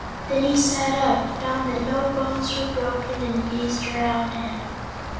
Then he sat up, found that no bones were broken, and gazed around him.